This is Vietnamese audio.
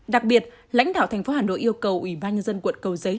đặc biệt lãnh đạo thành phố hà nội yêu cầu ủy ban nhân dân quận cầu giấy